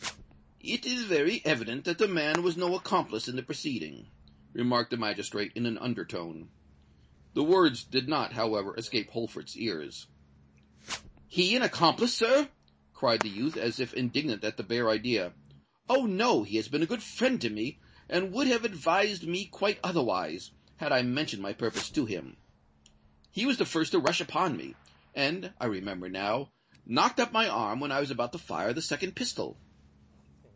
"It is very evident that the man was no accomplice in the proceeding," remarked the magistrate, in an under tone. The words did not, however, escape Holford's ears. "He an accomplice, sir!" cried the youth, as if indignant at the bare idea. "Oh! no—he has been a good friend to me, and would have advised me quite otherwise, had I mentioned my purpose to him. He was the first to rush upon me, and—I remember now—knocked up my arm when I was about to fire the second pistol."